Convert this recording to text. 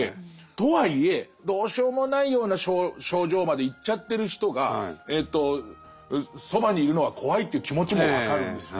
とはいえどうしようもないような症状までいっちゃってる人がそばにいるのは怖いっていう気持ちも分かるんですよ。